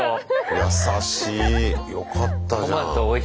優しい。